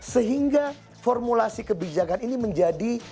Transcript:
sehingga formulasi kebijakan ini menjadi